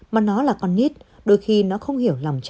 mà nó là con nít đôi khi nó không hiểu lòng cha mẹ